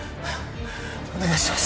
お願いします